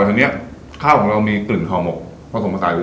แต่อันนี้ข้าวของเรามีกลิ่นข้าวหมกผสมมาตายด้วย